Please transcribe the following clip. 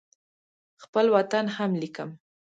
خپل وطن هم لیکم.